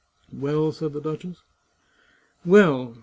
" Well ?" said the duchess. " Well